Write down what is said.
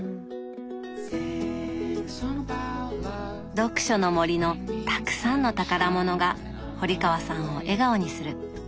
読書の森のたくさんの宝物が堀川さんを笑顔にする。